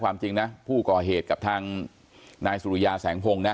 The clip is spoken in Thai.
ความจริงนะผู้ก่อเหตุกับทางนายสุริยาแสงพงศ์นะ